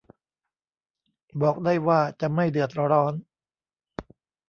บอกได้ว่าจะไม่เดือดร้อน